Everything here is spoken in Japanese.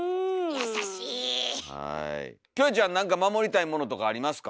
優しい！キョエちゃん何か守りたいものとかありますか？